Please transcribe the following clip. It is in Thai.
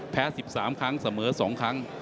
แพ้๑๓ครั้งเสมอ๒ครั้ง